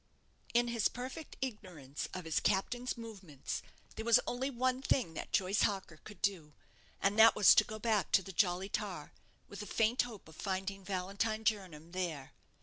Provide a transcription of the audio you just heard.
In his perfect ignorance of his captain's movements, there was only one thing that Joyce Harker could do, and that was to go back to the "Jolly Tar," with a faint hope of finding Valentine Jernam there.